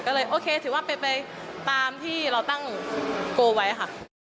ก็เลยโอเคถือว่าเป็นไปตามที่เราตั้งโกลไว้ค่ะ